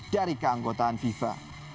dari keangkotaan fifa